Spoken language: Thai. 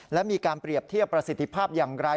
และมีการเปรียบเทียบประสิทธิภาพอย่างไร